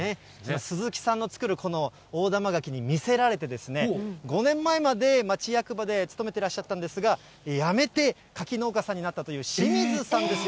鈴木さんの作るこの大玉柿に魅せられて、５年前まで町役場で勤めてらっしゃったんですが、辞めて柿農家さんになったという清水さんです。